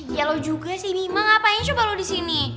ya lo juga sih bima ngapain coba lo disini